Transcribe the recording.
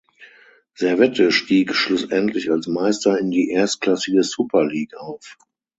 Servette stieg schlussendlich als Meister in die erstklassige Super League auf.